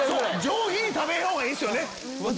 上品に食べん方がいいっすよね。